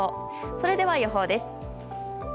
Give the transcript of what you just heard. それでは予報です。